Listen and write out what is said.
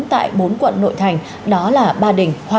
tại bốn quận nội thành đó là ba đình